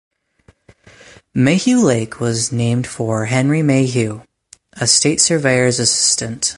Mayhew Lake was named for Henry Mayhew, a state surveyor's assistant.